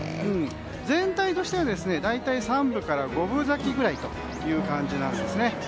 全体としては、大体三分から五分咲きぐらいという感じです。